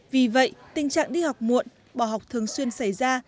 vì vậy tình trạng đi học muộn bỏ học thường xuyên xảy ra